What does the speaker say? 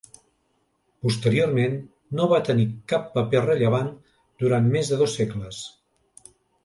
Posteriorment, no va tenir cap paper rellevant durant més de dos segles.